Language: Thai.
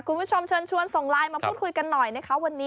คุณผู้ชมเชิญชวนส่งไลน์มาพูดคุยกันหน่อยนะคะวันนี้